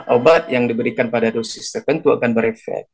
obat yang diberikan pada dosis tertentu akan berefek